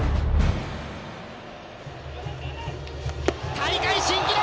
大会新記録！